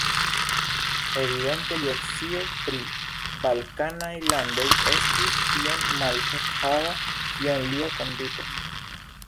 Evidente lia scio pri balkanaj landoj estis tiom mankhava kiom lia konduto.